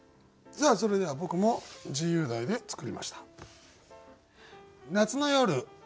それでは僕も自由題で作りました。